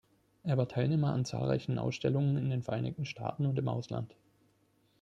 Er war Teilnehmer an zahlreichen Ausstellungen in den Vereinigten Staaten und im Ausland.